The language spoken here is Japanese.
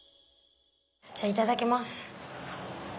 じゃあいただきます。